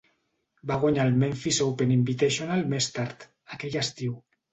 Va guanyar el Memphis Open Invitational més tard, aquell estiu.